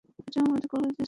এটা আমাদের কলেজের সোয়েটার।